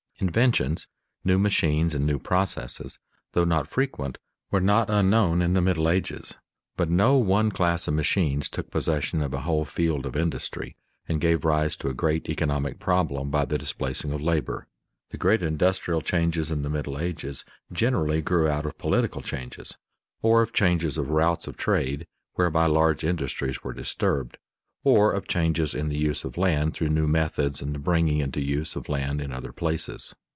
_ Inventions, new machines, and new processes, though not frequent, were not unknown in the Middle Ages; but no one class of machines took possession of a whole field of industry and gave rise to a great economic problem by the displacing of labor. The great industrial changes in the Middle Ages generally grew out of political changes, or of changes of routes of trade whereby large industries were disturbed, or of changes in the use of land through new methods and the bringing into use of land in other places.